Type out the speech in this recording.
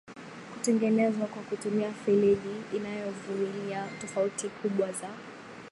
kutengenezwa kwa kutumia feleji inayovumilia tofauti kubwa za